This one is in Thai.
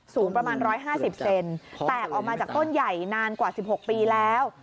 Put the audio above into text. สูงประมาณ๑๕๐เซนแตกออกมาจากต้นใหญ่นานกว่า๑๖ปีแล้ว